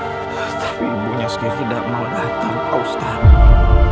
tapi ibunya sendiri tidak mau datang ustadz